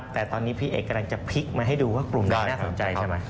แต่ตอนนี้พี่เอกกำลังจะพลิกมาให้ดูว่ากลุ่มไหนน่าสนใจใช่ไหม